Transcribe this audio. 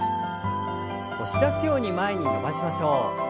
押し出すように前に伸ばしましょう。